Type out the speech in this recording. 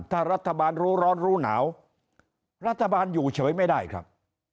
ถ้ารัฐบาลรู้ร้อนรู้หนาวรัฐบาลอยู่เฉยไม่ได้ครับ